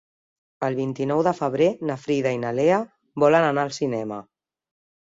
El vint-i-nou de febrer na Frida i na Lea volen anar al cinema.